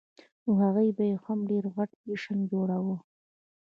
نوهغې کې به یې هم ډېر غټ جشن جوړاوه.